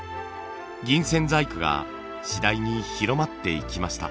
銀線細工が次第に広まっていきました。